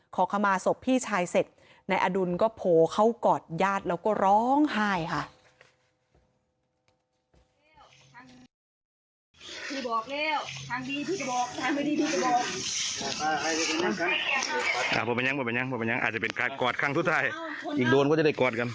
ขอขมาศพพี่ชายเสร็จนายอดุลก็โผล่เข้ากอดญาติแล้วก็ร้องไห้ค่ะ